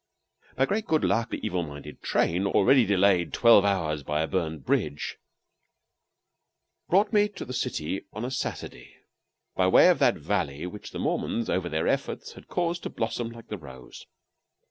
By great good luck the evil minded train, already delayed twelve hours by a burned bridge, brought me to the city on a Saturday by way of that valley which the Mormons, over their efforts, had caused to blossom like the rose.